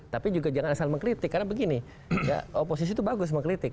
tapi juga jangan asal mengkritik karena begini ya oposisi itu bagus mengkritik